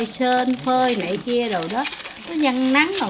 nên ai nấy đều rất phấn khởi